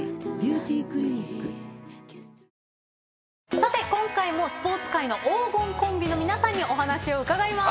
さて今回もスポーツ界の黄金コンビの皆さんにお話を伺います。